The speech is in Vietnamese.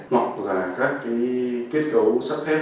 hoặc là các kết cấu sắp thép